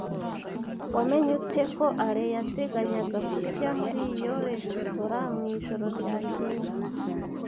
Wamenye ute ko Alain yateganyaga kurya muri iyo resitora mwijoro ryakeye?